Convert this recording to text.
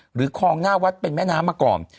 คลองหน้าวัดเป็นแม่น้ำมาก่อน